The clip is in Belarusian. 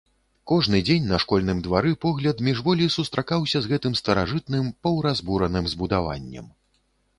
Кожны дзень на школьным двары погляд міжволі сустракаўся з гэтым старажытным, паўразбураным збудаваннем.